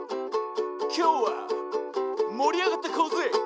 「きょうはもりあがっていこうぜ！」